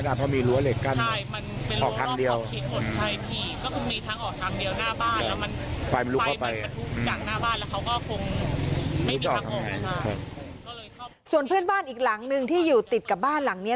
ส่วนเพื่อนบ้านอีกหลังนึงที่อยู่ติดกับบ้านหลังนี้